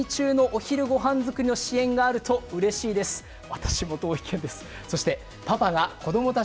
私も同意見です。